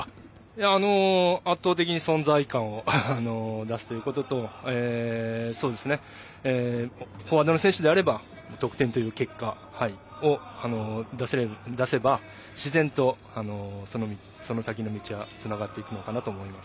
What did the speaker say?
圧倒的な存在感を出すということとフォワードの選手であれば得点という結果を出せば自然と、その先の道はつながっていくのかなと思います。